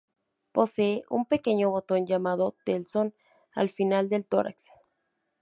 Posee un pequeño botón llamado telson al final del tórax.